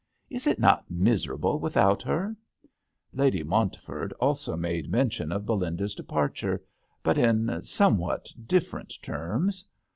Is it not miserable without her ?" Lady Montford also made men tion of Belinda's departure, but in somewhat different terms.